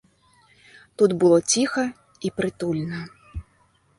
Тут было ціха і прытульна.